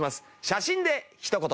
写真でひと言。